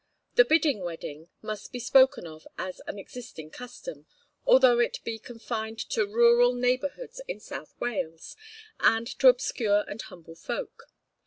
The Bidding wedding must be spoken of as an existing custom, although it be confined to rural neighbourhoods in South Wales, and to obscure and humble folk.